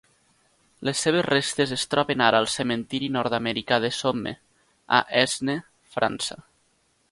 Les seves restes es troben ara al cementiri nord-americà de Somme, a Aisne, França.